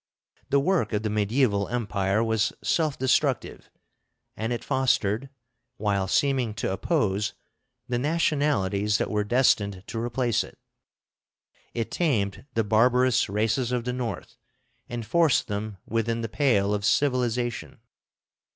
The work of the mediæval Empire was self destructive; and it fostered, while seeming to oppose, the nationalities that were destined to replace it. It tamed the barbarous races of the North and forced them within the pale of civilization.